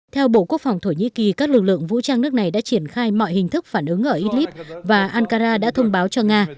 theo bộ quốc phòng thổ nhĩ kỳ các lực lượng vũ trang nước này đã triển khai mọi hình thức phản ứng ở idlib và ankara đã thông báo cho nga